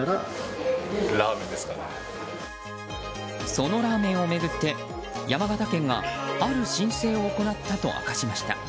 そのラーメンを巡って山形県がある申請を行ったと明かしました。